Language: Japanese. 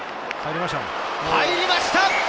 入りました！